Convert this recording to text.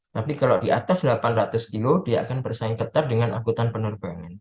tapi kalau di atas delapan ratus km dia akan bersaing tetap dengan akutan penerbangan